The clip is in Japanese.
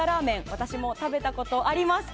私も食べたことあります。